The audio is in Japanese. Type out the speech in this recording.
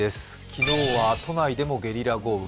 昨日は都内でもゲリラ豪雨。